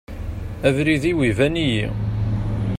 Abrid-iw iban-iyi.